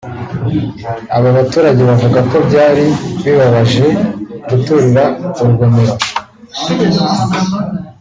Aba baturage bavuga ko byari bibabaje guturira urugomero